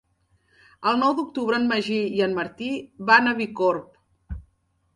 El nou d'octubre en Magí i en Martí van a Bicorb.